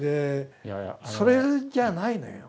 それじゃないのよ。